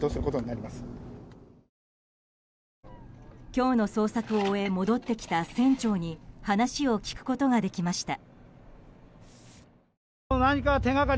今日の捜索を終え戻ってきた船長に話を聞くことができました。